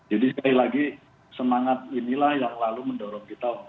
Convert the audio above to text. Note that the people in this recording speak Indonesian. jadi sekali lagi semangat inilah yang lalu mendorong kita roda